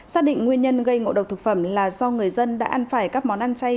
xác định nguyên nhân gây ngộ độc thực phẩm là do người dân đã ăn phải các món ăn chay